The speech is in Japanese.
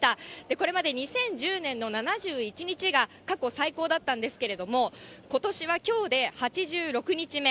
これまで２０１０年の７１日が過去最高だったんですけれども、ことしはきょうで８６日目。